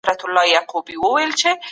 د سپیني ډوډۍ پر ځای توره ډوډۍ وخورئ.